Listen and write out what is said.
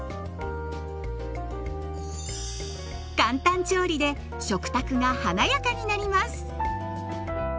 簡単調理で食卓が華やかになります。